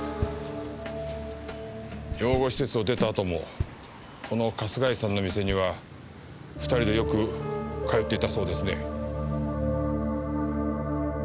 養護施設を出たあともこの春日井さんの店には２人でよく通っていたそうですね。